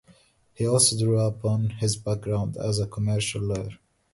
He also drew upon his background as a commercial lawyer.